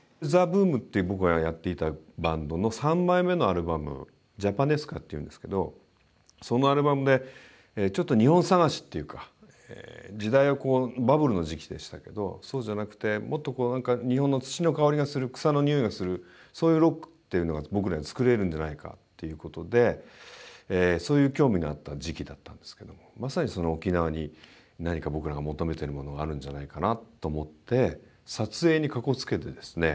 ＴＨＥＢＯＯＭって僕がやっていたバンドの３枚目のアルバム「ＪＡＰＡＮＥＳＫＡ」っていうんですけどそのアルバムでちょっと日本探しっていうか時代はこうバブルの時期でしたけどそうじゃなくてもっとこうなんか日本の土の香りがする草の匂いがするそういうロックっていうのが僕らに作れるんじゃないかっていうことでそういう興味があった時期だったんですけどもまさに沖縄に何か僕らが求めてるものがあるんじゃないかなと思って撮影にかこつけてですね